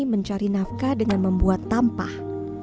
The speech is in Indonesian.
mencari nafkah dengan membuat tampah